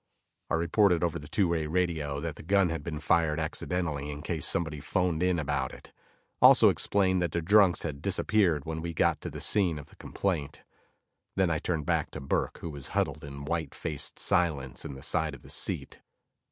I reported over the two way radio that a gun had been fired accidentally, in case somebody phoned in about it, also explained that the drunks had disappeared when we got to the scene of the complaint. Then I turned back to Burke who was huddled in white faced silence in the side of the seat.